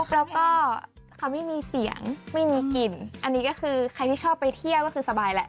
แล้วก็เขาไม่มีเสียงไม่มีกลิ่นอันนี้ก็คือใครที่ชอบไปเที่ยวก็คือสบายแหละ